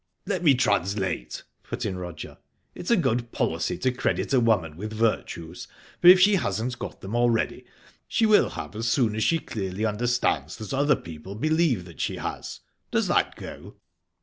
"Let me translate," put in Roger. "It's good policy to credit a woman with virtues, for if she hasn't got them already, she will have as soon as she clearly understands that other people believe that she has. Does that go?"